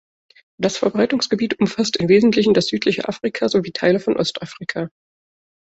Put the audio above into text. Das Verbreitungsgebiet umfasst in wesentlichen das südliche Afrika sowie Teile von Ostafrika.